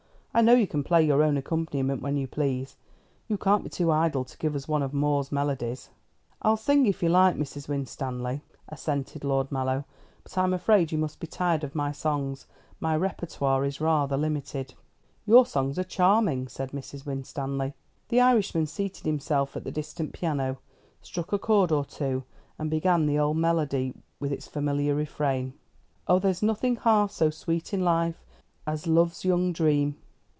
"I know you can play your own accompaniment, when you please. You can't be too idle to give us one of Moore's melodies." "I'll sing, if you like, Mrs. Winstanley," assented Lord Mallow, "but I'm afraid you must be tired of my songs. My répertoire is rather limited." "Your songs are charming," said Mrs. Winstanley. The Irishman seated himself at the distant piano, struck a chord or two, and began the old melody, with its familiar refrain: Oh, there's nothing half so sweet in life As love's young dream.